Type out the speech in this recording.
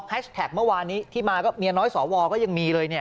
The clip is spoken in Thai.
เมื่อวานนี้ที่มาก็เมียน้อยสวก็ยังมีเลยเนี่ย